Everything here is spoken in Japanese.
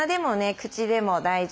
口でも大丈夫です。